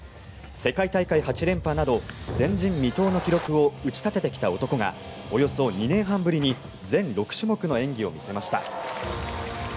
世界大会８連覇など前人未到の記録を打ち立ててきた男がおよそ２年半ぶりに全６種目の演技を見せました。